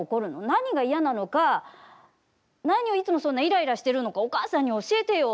何が嫌なのか、何をいつもそんなにイライラしているのかお母さんに教えてよ。